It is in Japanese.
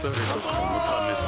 このためさ